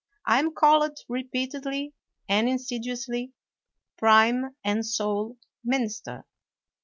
I am called repeatedly and insidiously prime and sole minis ter.